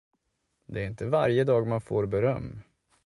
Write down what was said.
Det är inte varje dag man får beröm.